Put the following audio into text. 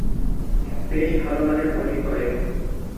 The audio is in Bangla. বেশ ভালোমানের বোলিং করেন।